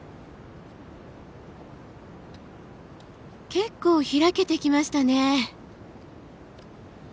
結構開けてきましたね。